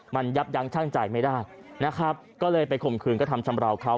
มันยับยั้งช่างใจไม่ได้นะครับก็เลยไปข่มขืนกระทำชำราวเขา